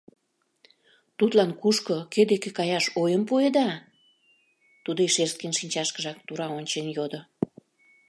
Тудлан кушко, кӧ деке каяш ойым пуэда? — тудо Ишерскийын шинчашкыжак тура ончен йодо.